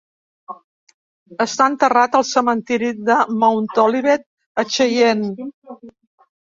Està enterrat al cementiri de Mount Olivet, a Cheyenne.